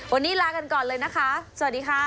วันนี้ลากันก่อนเลยนะคะสวัสดีค่ะ